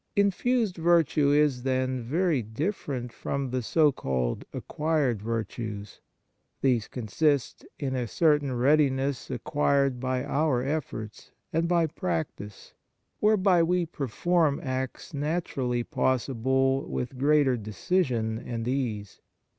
Infused virtue is, then, very different from the so called acquired virtues. These consist in a certain readiness ac quired by our efforts, and by practice, whereby we perform acts nahirally pos sible with greater decision and ease.